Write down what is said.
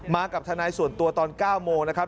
กับทนายส่วนตัวตอน๙โมงนะครับ